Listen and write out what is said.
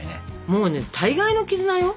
もうね大概の絆よ。